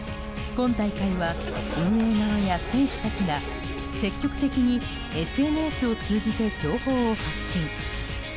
今大会は、運営側や選手たちが積極的にＳＮＳを通じて情報を発信。